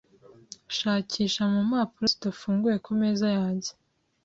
Shakisha mu mpapuro zidafunguye ku meza yanjye .